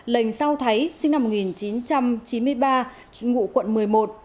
lênh sau thái sinh năm một nghìn chín trăm chín mươi ba ngụ quận một mươi một nguyễn hải dương